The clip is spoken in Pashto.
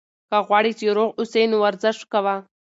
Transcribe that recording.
که غواړې چې روغ اوسې، نو ورزش کوه.